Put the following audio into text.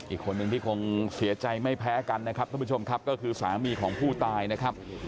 อีกคนนึงที่คงเสียใจไม่แพ้กันนะครับท่านผู้ชมครับก็คือสามีของผู้ตายนะครับ